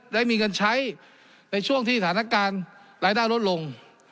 ได้มีเงินใช้ในช่วงที่สถานการณ์รายได้ลดลง